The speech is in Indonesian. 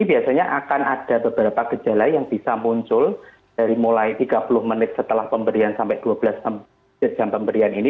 biasanya akan ada beberapa gejala yang bisa muncul dari mulai tiga puluh menit setelah pemberian sampai dua belas jam pemberian ini